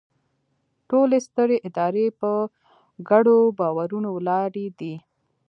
ټولې سترې ادارې په ګډو باورونو ولاړې دي.